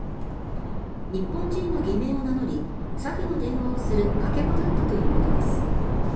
日本人の偽名を名乗り詐欺の電話をするかけ子だったということです。